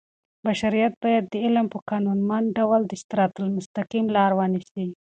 بشریت باید د علم په قانونمند ډول د صراط المستقیم لار ونیسي.